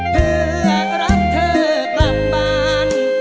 เพื่อรักเธอกลับบ้าน